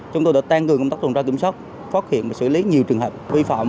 chúng tôi đã tăng cường công tác tuần tra kiểm soát phát hiện và xử lý nhiều trường hợp vi phạm